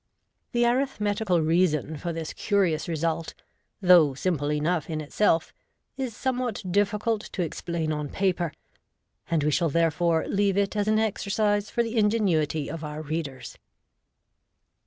The arithmetical reason for this curious result, though simple enough in itself, is somewhat difficult to explain on paper, and we shall therefore leave it as an exercise for the ingenuity of our readers.